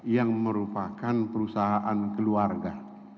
yang merupakan perusahaan keluarga